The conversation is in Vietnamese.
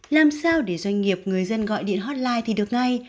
làm sao để doanh nghiệp người dân gọi điện hotline thì được ngay